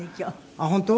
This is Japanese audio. あっ本当？